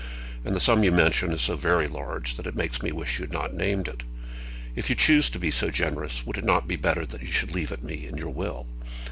And the sum you mention is so very large that it makes me wish you had not named it. If you choose to be so generous, would it not be better that you should leave it me in your will?